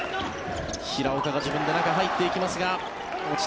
平岡が自分で中に入っていきますが落ちた